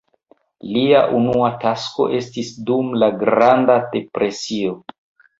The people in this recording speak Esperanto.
Lia unua tasko esti dum la Granda Depresio.